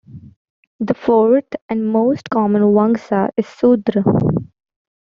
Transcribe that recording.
The fourth and most common wangsa is "Sudra".